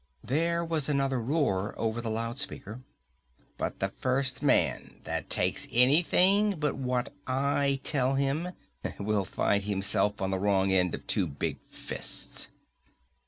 There was another roar over the loud speaker. "But the first man that takes anything but what I tell him will find himself on the wrong end of two big fists!"